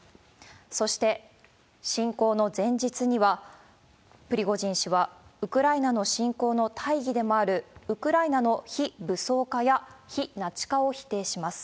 そして侵攻の前日には、プリゴジン氏は、ウクライナの侵攻の大義でもあるウクライナの非武装化や非ナチ化を否定します。